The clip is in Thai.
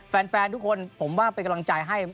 แฟนทุกคนผมว่าเป็นกำลังใจให้